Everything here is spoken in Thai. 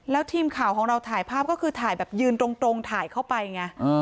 แล้วทีมข่าวของเราถ่ายภาพก็คือถ่ายแบบยืนตรงถ่ายเข้าไปไง